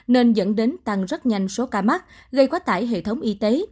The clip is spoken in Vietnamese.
nên dẫn đến tăng rất nhanh số ca mắc gây quá tải hệ thống y tế